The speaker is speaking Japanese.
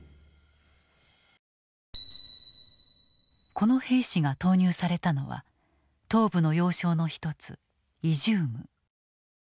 この兵士が投入されたのは東部の要衝の一つイジューム。